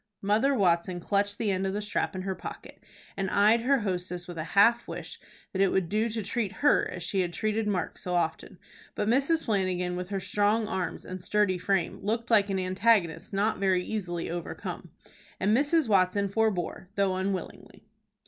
Mother Watson clutched the end of the strap in her pocket, and eyed her hostess with a half wish that it would do to treat her as she had treated Mark so often; but Mrs. Flanagan with her strong arms and sturdy frame looked like an antagonist not very easily overcome, and Mrs. Watson forbore, though unwillingly.